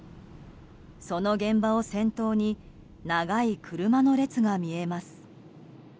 その現場を先頭に長い車の列が見えます。